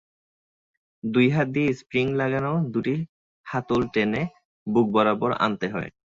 দুই হাত দিয়ে স্প্রিং লাগানো দুটি হাতল টেনে বুকবরাবর আনতে হয়।